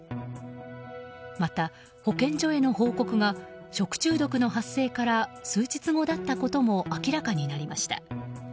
また保健所への報告が食中毒の発生から数日後だったことも明らかになりました。